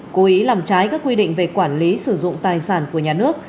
cố ý làm trái các quy định về quản lý sử dụng tài sản của nhà nước